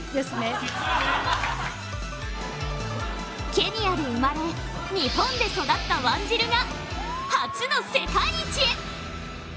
ケニアで生まれ、日本で育ったワンジルが初の世界一へ。